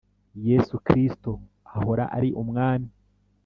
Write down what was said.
Yesu Kristo ahora ari Umwami